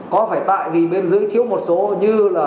có phải tại vì bên dưới thiếu một số như là